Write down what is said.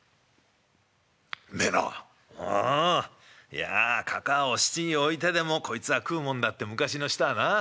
いやかかあを質に置いてでもこいつは食うもんだって昔の人はなあ。